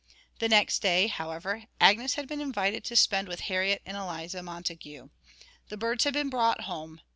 The next day, however, Agnes had been invited to spend with Harriet and Eliza Montague. The birds had been brought home.